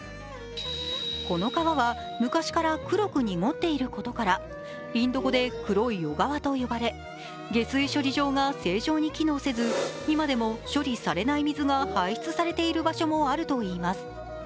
この川は昔から黒く濁っていることからインド語で黒い小川と呼ばれ下水処理場が正常に機能せず今でも処理されない水が排出されている場所もあるといいます。